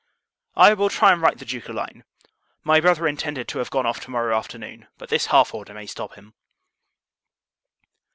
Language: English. I will try and write the Duke a line. My brother intended to have gone off to morrow afternoon; but this half order may stop him.